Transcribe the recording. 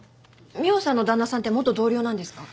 美緒さんの旦那さんって元同僚なんですか？